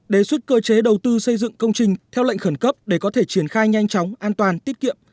đề xuất cơ chế đầu tư xây dựng công trình theo lệnh khẩn cấp để có thể triển khai nhanh chóng an toàn tiết kiệm